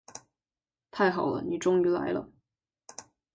太好了，你终于来了。